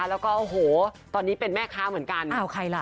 แล้วก็โอ้โหตอนนี้เป็นแม่ค้าเหมือนกันเอาใครล่ะ